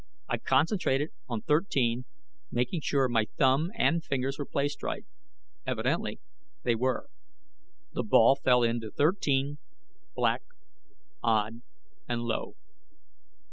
I concentrated on Thirteen, making sure my thumb and fingers were placed right. Evidently they were. The ball fell into Thirteen, Black, Odd, and Low.